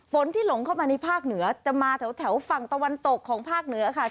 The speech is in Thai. ที่หลงเข้ามาในภาคเหนือจะมาแถวฝั่งตะวันตกของภาคเหนือค่ะ